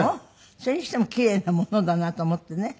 それにしてもキレイなものだなと思ってね。